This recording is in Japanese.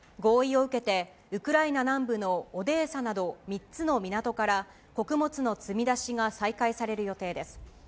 合意を受けて、ウクライナ南部のオデーサなど３つの港から、穀物の積み出しが再開される予定です。